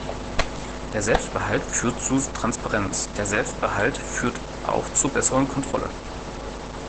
Der Selbstbehalt führt zu Transparenz, der Selbstbehalt führt auch zur besseren Kontrolle!